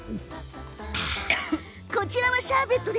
こちらはシャーベット。